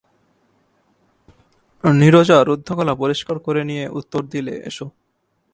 নীরজা রুদ্ধ গলা পরিষ্কার করে নিয়ে উত্তর দিলে, এসো।